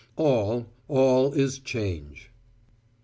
"All, all is change."